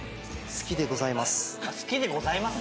「好きでございます」？